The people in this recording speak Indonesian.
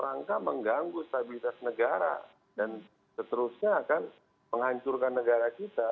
rangka mengganggu stabilitas negara dan seterusnya akan menghancurkan negara kita